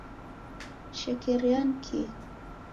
Shekeria ni kihi?.